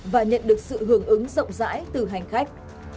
và nhận được sự hưởng ứng rộng rãi từ hành khách